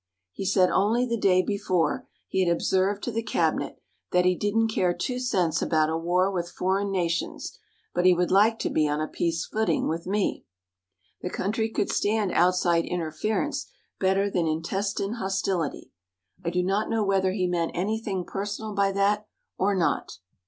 He said only the day before he had observed to the cabinet that he didn't care two cents about a war with foreign nations, but he would like to be on a peace footing with me. The country could stand outside interference better than intestine hostility. I do not know whether he meant anything personal by that or not.